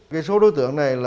cái số đối tượng này